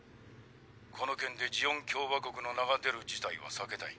この件でジオン共和国の名が出る事態は避けたい。